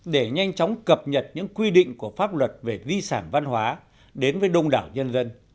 để nhanh chóng cập nhật những quy định của pháp luật về di sản văn hóa đến với đông đảo nhân dân